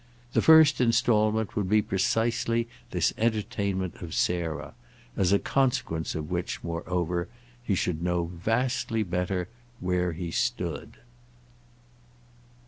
The first instalment would be precisely this entertainment of Sarah; as a consequence of which moreover, he should know vastly better how he stood.